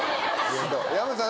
山内さん